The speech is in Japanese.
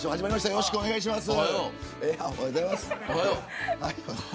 よろしくお願いします。